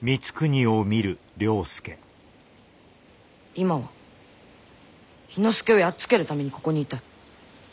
今は氷ノ介をやっつけるためにここにいたい。